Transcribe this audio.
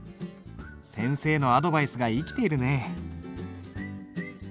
先生のアドバイスが生きているね。